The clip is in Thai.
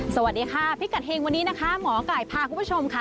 สวัสดีค่ะพิกัดเฮงวันนี้นะคะหมอไก่พาคุณผู้ชมค่ะ